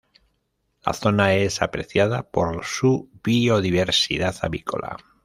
La zona es apreciada por su biodiversidad avícola.